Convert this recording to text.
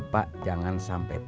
bapak jangan sampai terlalu